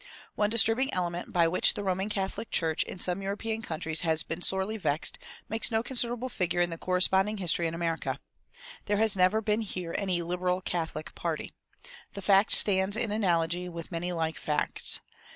One disturbing element by which the Roman Catholic Church in some European countries has been sorely vexed makes no considerable figure in the corresponding history in America. There has never been here any "Liberal Catholic" party. The fact stands in analogy with many like facts.